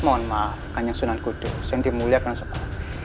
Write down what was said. mohon maaf kanjang sunan kudus yang dimuliakan oleh sultan